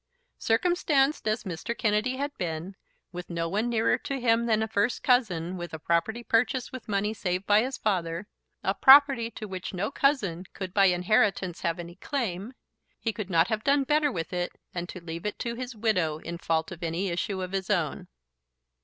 Circumstanced as Mr. Kennedy had been, with no one nearer to him than a first cousin, with a property purchased with money saved by his father, a property to which no cousin could by inheritance have any claim, he could not have done better with it than to leave it to his widow in fault of any issue of his own.